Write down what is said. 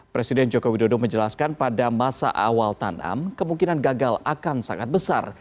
presiden joko widodo menjelaskan pada masa awal tanam kemungkinan gagal akan sangat besar